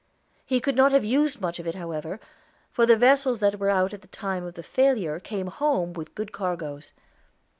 He could not have used much of it, however, for the vessels that were out at the time of the failure came home with good cargoes.